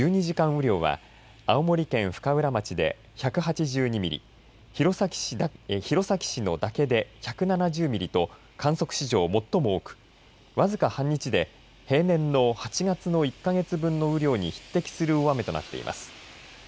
雨量は青森県深浦町で１８２ミリ、弘前市の岳で１７０ミリと観測史上最も多く、僅か半日で平年の８月の１か月分の雨量に匹敵する大雨となっています。